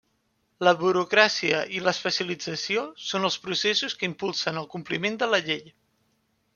La burocràcia i l'especialització són els processos que impulsen el compliment de la Llei.